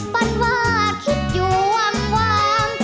ปันวาดคิดอยู่หว่าง